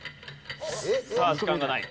さあ時間がない。